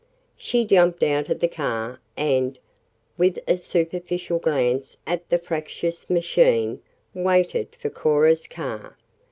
She jumped out of the car and, with a superficial glance at the fractious machine, waited for Cora's car.